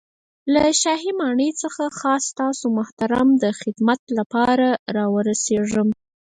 له شاهي ماڼۍ څخه خاص تاسو محترم ته د خدمت له پاره را ورسېږم.